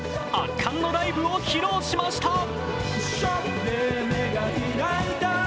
圧巻のライブを披露しました。